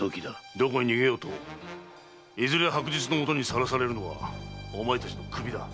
どこに逃げようといずれ白日の下にさらされるのはお前たちの首だ。